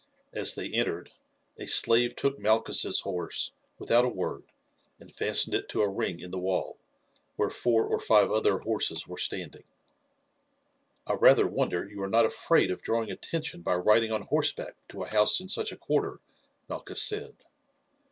As they entered a slave took Malchus' horse without a word and fastened it to a ring in the wall, where four or five other horses were standing. "I rather wonder you are not afraid of drawing attention by riding on horseback to a house in such a quarter," Malchus said.